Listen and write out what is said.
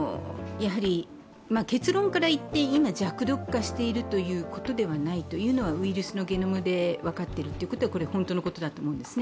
結論から言って、今、弱毒化しているということではないのはウイルスのゲノムで分かっているということは本当のことだと思うんですね。